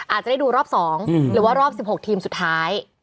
อาจจะได้ดูรอบ๒หรือว่ารอบ๑๖ทีมสุดท้าย